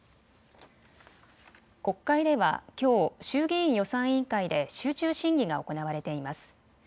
国会ではきょう衆議院予算委員会で集中審議が行われています。